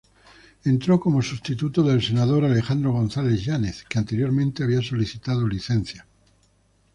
Entró como sustituto del senador Alejandro González Yáñez, que anteriormente había solicitado licencia.